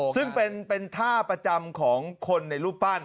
ซึ่งเป็นท่าประจำของคนในรูปปั้น